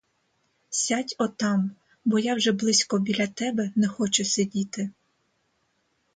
Сядь отам, бо я вже близько біля тебе не хочу сидіти.